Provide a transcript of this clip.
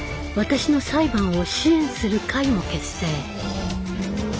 私の裁判を支援する会も結成。